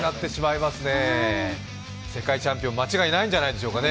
世界チャンピオン、間違いないんじゃないでしょうかね。